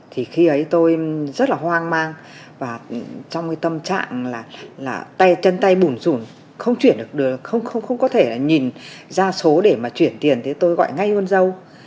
thì khi ấy tôi rất là hoang mang và trong cái tâm trạng là chân tay bùn rùn không chuyển được được không có thể là nhìn ra số để mà chuyển tiền thế tôi gọi ngay hôn dâu